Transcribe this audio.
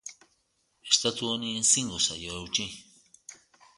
Estatu honi ezingo zaio eutsi.